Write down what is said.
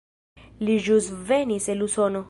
Li ĵus venis el Usono.